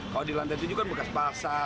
kalau di lantai tujuh kan bekas basah